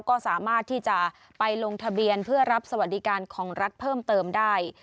ก็สามารถที่จะไปลงทะเบียนเพื่อรับสวัสดิการของรัฐเพิ่มเติมได้